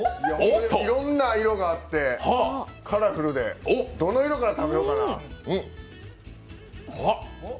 いろんな色があってカラフルで、どの色から食べようかな。